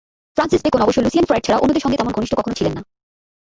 Francis Bacon অবশ্য Lucian Freud ছাড়া অন্যদের সঙ্গে তেমন ঘনিষ্ঠ কখনো ছিলেন না।